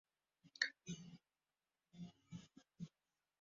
Partía como una de las favoritas de Europa, quedando finalmente penúltimo.